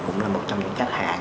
cũng là một trong những khách hàng